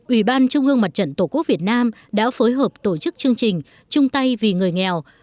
ủy ban trung ương mặt trận tổ quốc việt nam đã phối hợp tổ chức chương trình trung tây vì người nghèo